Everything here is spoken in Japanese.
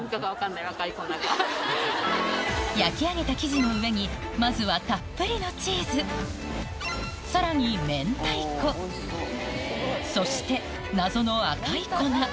焼き上げた生地の上にまずはたっぷりのさらにそして謎の赤い粉